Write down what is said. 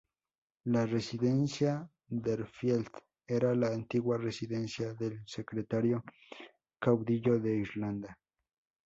La "Residencia Deerfield" era la antigua residencia del secretario caudillo de Irlanda.